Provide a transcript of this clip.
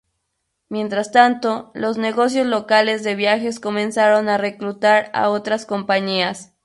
Mientras tanto, los negocios locales de viajes comenzaron a reclutar a otras compañías.